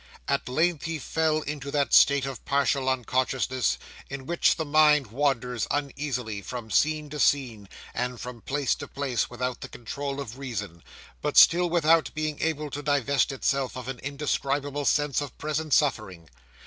At length he fell into that state of partial unconsciousness, in which the mind wanders uneasily from scene to scene, and from place to place, without the control of reason, but still without being able to divest itself of an indescribable sense of present suffering.